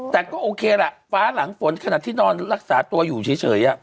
แต่ก็โอเคล่ะฟ้าหลังฝนขนาดที่นอนรักษาตัวอยู่เฉย